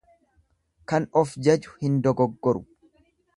Kan of jaju hin dogoggoru.